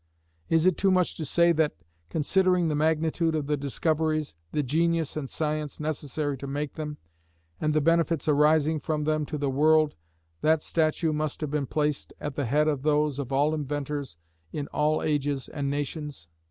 Is it too much to say, that, considering the magnitude of the discoveries, the genius and science necessary to make them, and the benefits arising from them to the world, that statue must have been placed at the head of those of all inventors in all ages and nations.